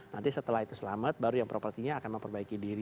nanti setelah itu selamat baru yang propertinya akan memperbaiki diri